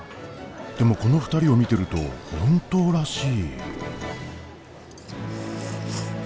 でもこの２人を見てると本当らしい。